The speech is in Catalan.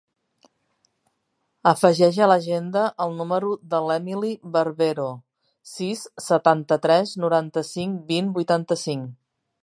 Afegeix a l'agenda el número de l'Emily Barbero: sis, setanta-tres, noranta-cinc, vint, vuitanta-cinc.